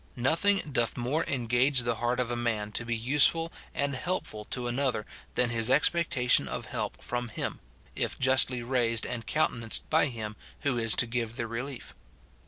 Nothing doth more engage the heart of a man to be use ful and helpful to another than his expectation of help from him, if justly raised and countenanced by him who is to give the relief.